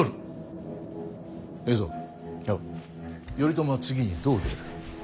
頼朝は次にどう出る。